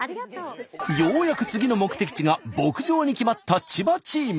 ようやく次の目的地が牧場に決まった千葉チーム。